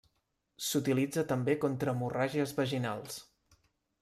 S'utilitza també contra hemorràgies vaginals.